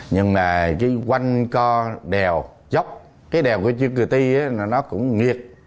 nhưng mà cái quanh co đèo dốc cái đèo của chiếc cửa ti nó cũng nghiệt